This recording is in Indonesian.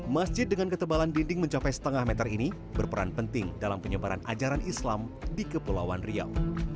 masjid dengan ketebalan dinding mencapai setengah meter ini berperan penting dalam penyebaran ajaran islam di kepulauan riau